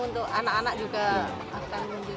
untuk anak anak juga akan lebih cerah